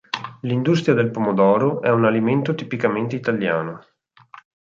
L'industria del pomodoro è un alimento tipicamente italiano.